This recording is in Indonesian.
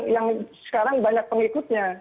yang sekarang banyak pengikutnya